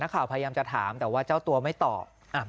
ข่าวพยายามจะถามแต่ว่าเจ้าตัวไม่ตอบ